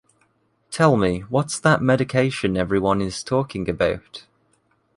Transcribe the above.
Tell me what’s that medication everyone is talking about.